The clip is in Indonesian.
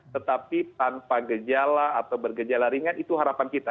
tetapi tanpa gejala atau bergejala ringan itu harapan kita